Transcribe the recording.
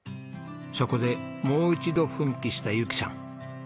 そこでもう一度奮起した由紀さん。